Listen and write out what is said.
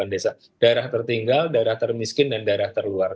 daerah termiskin dan daerah terluar